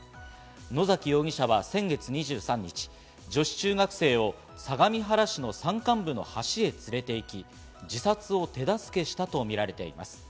野崎容疑者は先月２３日、女子中学生を相模原市の山間部の橋へ連れて行き、自殺を手助けしたとみられています。